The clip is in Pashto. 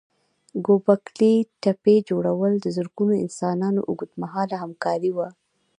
ګوبک لي تپې جوړول د زرګونو انسانانو اوږد مهاله همکاري وه.